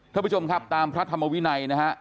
ท่านผู้ชมครับตามพระธรรมวินัยนะฮะ